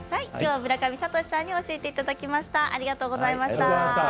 村上敏さんに教えていただきました。